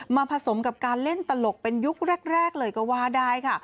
ผสมกับการเล่นตลกเป็นยุคแรกเลยก็ว่าได้ค่ะ